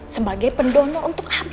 sebagai pendonor untuk abi